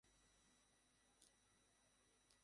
তুমি একটু যাবে?